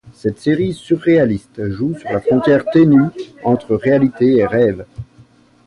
Cette série surréaliste joue sur la frontière ténue entre réalité et rêve.